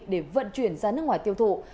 để vận chuyển ra nước ngoài tiêu thụ